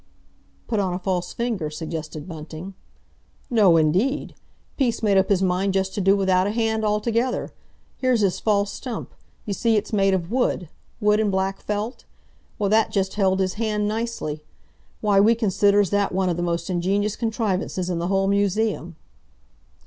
"Put on a false finger," suggested Bunting. "No, indeed! Peace made up his mind just to do without a hand altogether. Here's his false stump: you see, it's made of wood—wood and black felt? Well, that just held his hand nicely. Why, we considers that one of the most ingenious contrivances in the whole museum."